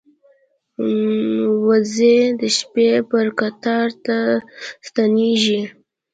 وزې د شپې پر کټار ته ستنېږي